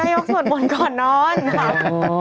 นายกส่วนมนตร์ก่อนนอนครับ